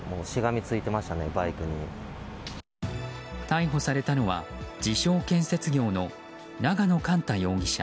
逮捕されたのは自称建設業の永野莞太容疑者。